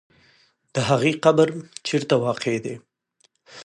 د هغې قبر چېرته واقع دی؟